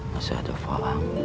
masih ada faham